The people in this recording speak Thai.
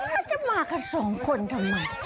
ทำไมจะมากับสองคนทำไม